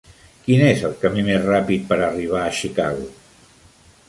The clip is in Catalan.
Quin és el camí més ràpid per a arribar a Chicago?